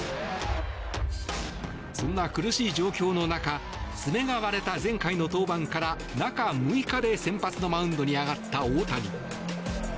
そんな苦しい状況の中爪が割れた前回の登板から中６日で先発のマウンドに上がった大谷。